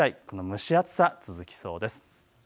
蒸し暑さは続きそうです。